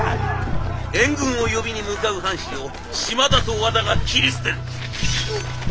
援軍を呼びに向かう藩士を島田と和田が斬り捨てる。